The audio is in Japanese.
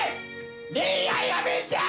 恋愛アベンジャー！